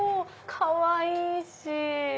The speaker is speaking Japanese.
かわいいし！